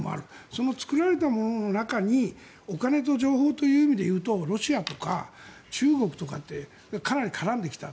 その作られたものの中にお金と情報という意味で言うとロシアとか中国とかがかなり絡んできた。